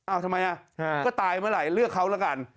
ทำไมอ่ะก็ตายเมื่อไหร่เลือกเขาแล้วกัน